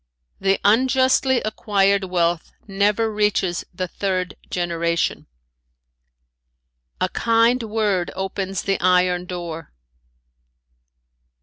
"The unjustly acquired wealth never reaches the third generation. "A kind word opens the iron door.